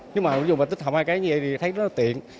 nhưng mà dùng tích hợp hai cái như vậy thì thấy rất là tiện